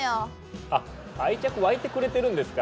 あっ愛着湧いてくれてるんですか？